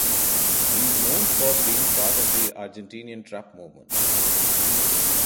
He is known for being part of the Argentinian trap movement.